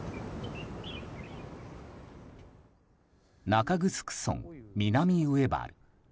中城村南上原。